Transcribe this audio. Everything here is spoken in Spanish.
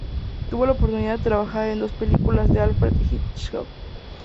Tuvo la oportunidad de trabajar en dos películas de Alfred Hitchcock.